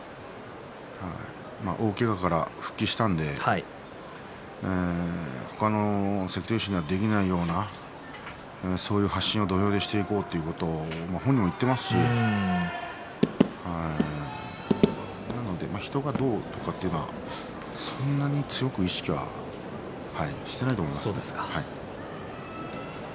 大けがから復帰したので他の関取衆にはできないようなそういうことを土俵でしていこうと本人も言っていますしなので人がどうとかというのはそんなに強く意識はしていないと思います。